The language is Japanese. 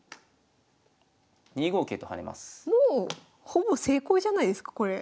ほぼ成功じゃないですかこれ。